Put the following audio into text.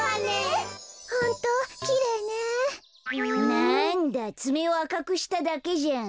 なんだつめをあかくしただけじゃん。